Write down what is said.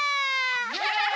・イエーイ！